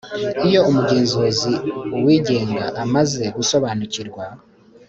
Iyo umugenzuzi uwigenga amaze gusobanukirwa